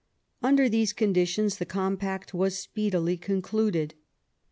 Under these conditions the compact was speedily concluded.